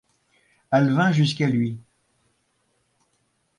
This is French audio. Elle vint jusqu’à lui.